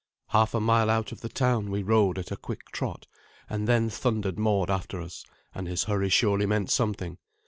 Half a mile out of the town we rode at a quick trot, and then thundered Mord after us, and his hurry surely meant something.